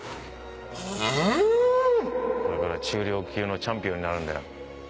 これから中量級のチャンピオンになるんだよ。